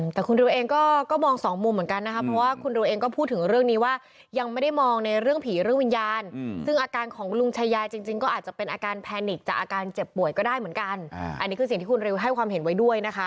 แต่คุณดิวเองก็มองสองมุมเหมือนกันนะคะเพราะว่าคุณดูเองก็พูดถึงเรื่องนี้ว่ายังไม่ได้มองในเรื่องผีเรื่องวิญญาณซึ่งอาการของลุงชายาจริงก็อาจจะเป็นอาการแพนิกจากอาการเจ็บป่วยก็ได้เหมือนกันอันนี้คือสิ่งที่คุณริวให้ความเห็นไว้ด้วยนะคะ